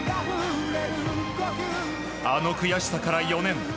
あの悔しさから４年。